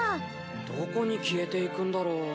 どこに消えていくんだろう？